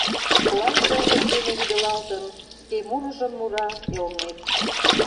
Лай толкын дене вӱдылалтын, Шке мурыжым мура «Элнет».